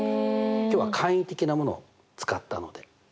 今日は簡易的なものを使ったので。